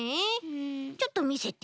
ちょっとみせて。